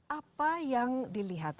apa yang dilihat